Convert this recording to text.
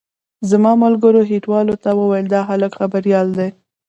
زما ملګرو هټيوالو ته وويل دا هلک خبريال دی.